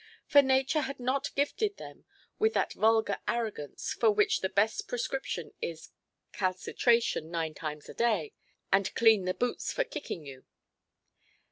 For nature had not gifted them with that vulgar arrogance, for which the best prescription is "calcitration nine times a day, and clean the boots for kicking you".